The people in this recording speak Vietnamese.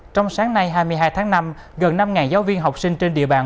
trong sáng nay hai mươi hai tháng năm gần năm giáo viên học sinh trên địa bàn